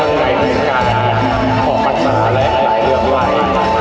เพลงใหม่แม่งกากขอบัตราหลายเรื่องใหม่